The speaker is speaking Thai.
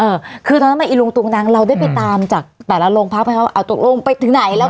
เออคือตอนนั้นมาอีลุงตุงนังเราได้ไปตามจากแต่ละโรงพักไหมคะว่าเอาตกลงไปถึงไหนแล้ว